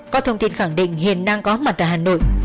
có thông tin khẳng định hiền đang có mặt tại hà nội